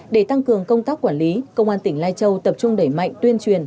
để tăng cường công tác quản lý công an tỉnh lai châu tập trung đẩy mạnh tuyên truyền